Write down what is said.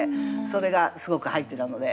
それがすごく入ってたので。